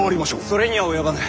それには及ばぬ。